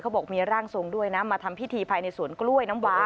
บอกมีร่างทรงด้วยนะมาทำพิธีภายในสวนกล้วยน้ำวา